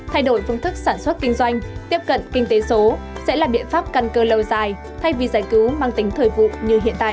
thay đổi phương thức sản xuất kinh doanh tiếp cận kinh tế số sẽ là biện pháp căn cơ lâu dài thay vì giải cứu mang tính thời vụ như hiện tại